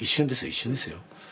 一瞬ですよ。